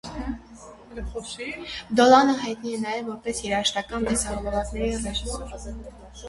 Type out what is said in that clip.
Դոլանը հայտնի է նաև որպես երաժշտական տեսահոլովակների ռեժիսոր։